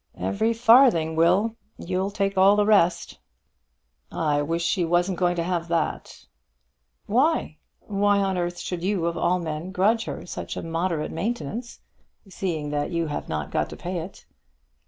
"Every farthing, Will. You'll take all the rest." "I wish she wasn't going to have that." "Why? Why on earth should you of all men grudge her such a moderate maintenance, seeing that you have not got to pay it?"